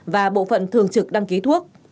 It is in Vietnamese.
và bộ phận thường trực đăng ký thuốc